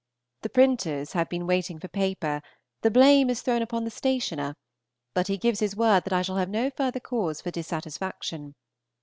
The printers have been waiting for paper, the blame is thrown upon the stationer; but he gives his word that I shall have no further cause for dissatisfaction.